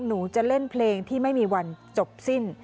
หนูจะเล่นเพลงที่ไม่มีวันจบสิ้น